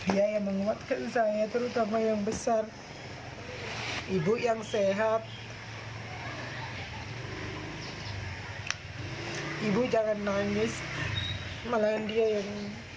ia menangis malahan dia yang